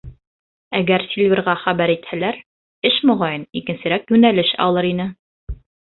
Әгәр Сильверға хәбәр итһәләр, эш, моғайын, икенсерәк йүнәлеш алыр ине.